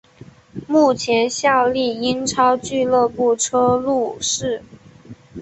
目前效力英超俱乐部车路士。